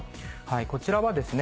こちらはですね